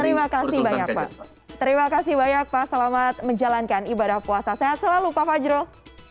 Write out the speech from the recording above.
terima kasih banyak pak terima kasih banyak pak selamat menjalankan ibadah puasa sehat selalu pak fajrul